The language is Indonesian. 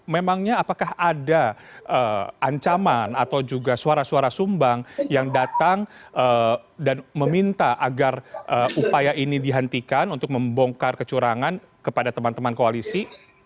memangnya apakah ada ancaman atau juga suara suara sumbang yang datang dan meminta agar upaya ini dihentikan untuk membongkar kecurangan kepada teman teman koalisi